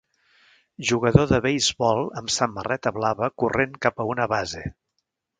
Jugador de beisbol amb samarreta blava corrent cap a una base.